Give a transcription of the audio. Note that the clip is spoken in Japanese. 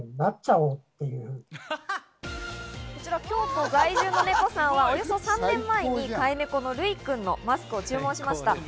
京都在住のねこさんは、およそ３年前に飼い猫のルイくんのマスクを注文しました。